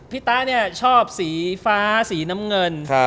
ตะเนี่ยชอบสีฟ้าสีน้ำเงิน